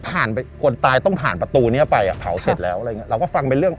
ผ่านไปคนตายต้องผ่านประตูเนี้ยไปอ่ะเผาเสร็จแล้วอะไรอย่างเงี้เราก็ฟังเป็นเรื่อง